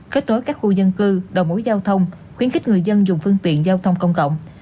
kết nối các khu dân cư đầu mối giao thông khuyến khích người dân dùng phương tiện giao thông công cộng